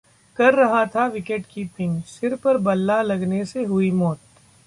कर रहा था विकेटकीपिंग, सिर पर बल्ला लगने से हुई मौत